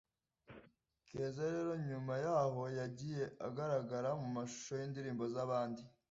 Keza rero nyuma y’aho yagiye agaragara mu mashusho y’indirimbo z’abandi